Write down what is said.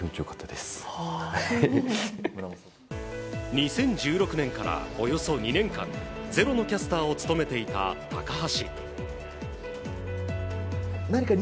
２０１６年からおよそ２年間「ｚｅｒｏ」のキャスターを務めていた高橋。